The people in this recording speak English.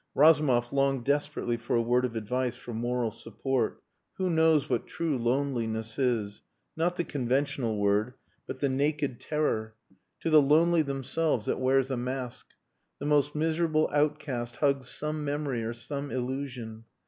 Razumov longed desperately for a word of advice, for moral support. Who knows what true loneliness is not the conventional word, but the naked terror? To the lonely themselves it wears a mask. The most miserable outcast hugs some memory or some illusion.